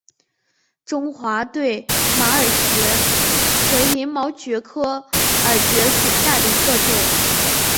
中华对马耳蕨为鳞毛蕨科耳蕨属下的一个种。